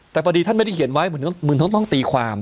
แต่พอดีท่านไม่ได้เขียนไว้เหมือนต้องตีความ